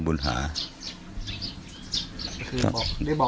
แต่ตอนนี้เขาไม่รู้ว่าจะเป็นคนใหญ่นะครับ